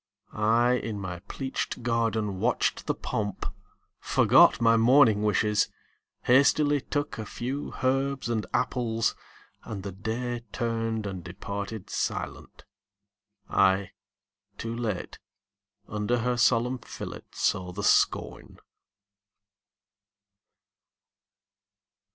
I, in my pleached garden, watched the pomp, Forgot my morning wishes, hastily Took a few herbs and apples, and the Day Turned and departed silent. I, too late, Under her solemn fillet saw the scorn.